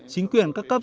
chính quyền các cấp